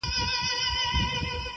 څه غزل غزل راګورې څه ټپه ټپه ږغېږې.